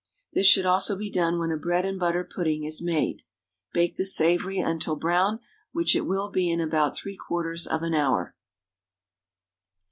This should also be done when a bread and butter pudding is made. Bake the savoury until brown, which it will be in about 3/4 of an hour.